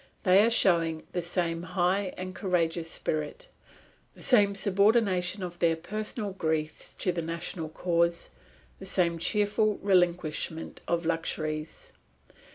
They are showing the same high and courageous spirit, the same subordination of their personal griefs to the national cause, the same cheerful relinquishment of luxuries.